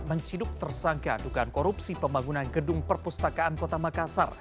menciduk tersangka adukan korupsi pembangunan gedung perpustakaan kota makassar